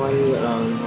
vậy là tùy tâm em thôi